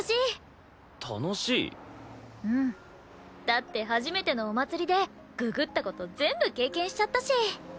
だって初めてのお祭りでググった事全部経験しちゃったし。